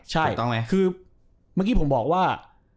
ใช่คือเมื่อกี้ผมบอกว่า